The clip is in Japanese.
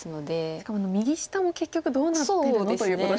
しかも右下も結局どうなってるの？ということですよね。